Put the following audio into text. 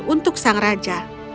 untuk sang raja